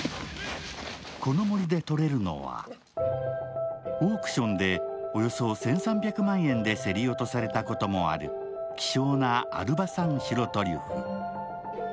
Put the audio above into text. この森でとれるのはオークションでおよそ１３００万円で競り落とされたこともある希少なアルバ産白トリュフ。